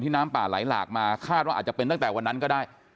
น้ำป่าไหลหลากมาคาดว่าอาจจะเป็นตั้งแต่วันนั้นก็ได้